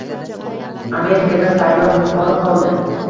Amerikada sayyoh yo‘qolib qoldi